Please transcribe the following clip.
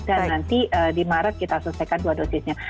dan nanti di maret kita selesaikan dua dosisnya